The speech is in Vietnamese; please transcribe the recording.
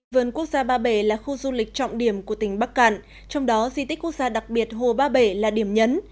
vườn quốc gia ba bể là khu du lịch trọng điểm của tỉnh bắc cạn trong đó di tích quốc gia đặc biệt hồ ba bể là điểm nhấn